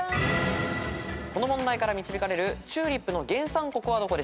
この問題から導かれるチューリップの原産国はどこでしょう。